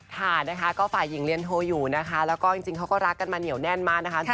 ค่ะนะคะก็ฝ่ายหญิงเรียนโทรอยู่นะคะแล้วก็จริงเขาก็รักกันมาเหนียวแน่นมากนะคะ